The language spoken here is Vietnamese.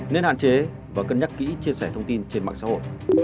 nên hạn chế và cân nhắc kỹ chia sẻ thông tin trên mạng xã hội